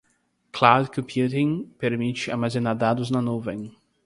Cloud Computing permite armazenar dados na nuvem.